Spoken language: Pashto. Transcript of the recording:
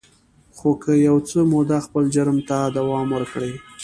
خو که یو څه موده خپل جرم ته دوام ورکړي